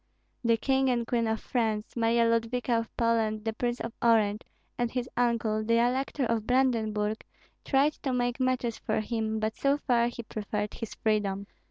The King and Queen of France, Marya Ludvika of Poland, the Prince of Orange, and his uncle, the Elector of Brandenburg, tried to make matches for him; but so far he preferred his freedom.